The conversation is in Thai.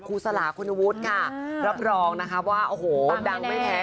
สลาคุณวุฒิค่ะรับรองนะคะว่าโอ้โหดังไม่แพ้